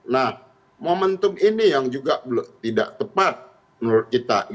nah momentum ini yang juga tidak tepat menurut kita